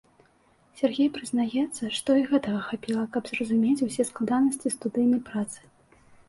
Сяргей прызнаецца, што і гэтага хапіла, каб зразумець усе складанасці студыйнай працы.